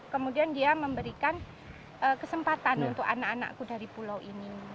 kemudian dia memberikan kesempatan untuk anak anakku dari pulau ini